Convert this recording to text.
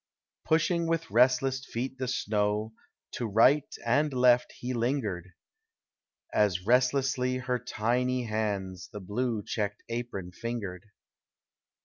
Pushing with restless feet the snow To right and left, he lingered;— As restlessly her tiny hands The blue checked apron fingered.